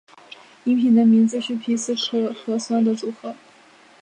饮品的名字是皮斯可和酸的组合。